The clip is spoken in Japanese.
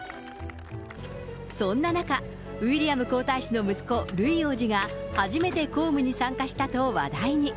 そんな中、ウィリアム皇太子の息子、ルイ王子が、初めて公務に参加したと話題に。